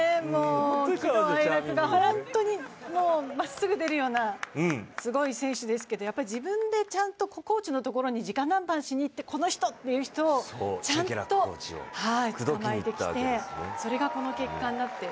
喜怒哀楽が本当にまっすぐ出るような、すごい選手ですけど、やっぱり自分のところでコーチのところにじか談判してこの人っていう人をちゃんとつかまえてきてそれがこの結果になって。